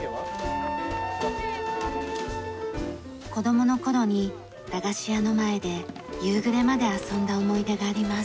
子供の頃に駄菓子屋の前で夕暮れまで遊んだ思い出があります。